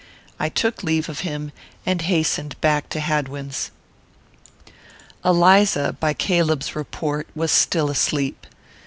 I took leave of him, and hastened back to Hadwin's. Eliza, by Caleb's report, was still asleep.